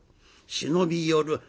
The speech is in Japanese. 忍び寄る